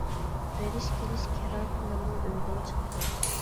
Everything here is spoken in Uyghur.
بېرىش كېلىش كىرا پۇلىمۇ ئۆيدىن چىقىدۇ.